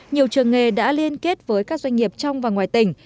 nhiều trường nghề đã liên kết với các doanh nghiệp trong và ngoài tỉnh